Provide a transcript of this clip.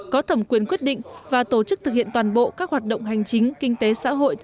có thẩm quyền quyết định và tổ chức thực hiện toàn bộ các hoạt động hành chính kinh tế xã hội